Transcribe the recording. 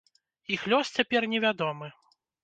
Іх лёс цяпер невядомы.